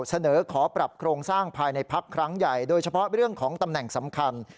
เสนอขอปรับโครงสร้างภายในพักครั้งใหญ่โดยเฉพาะเรื่องของตำแหน่งสำคัญ